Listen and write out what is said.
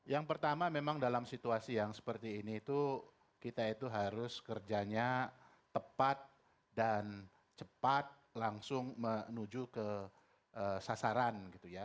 yang pertama memang dalam situasi yang seperti ini itu kita itu harus kerjanya tepat dan cepat langsung menuju ke sasaran gitu ya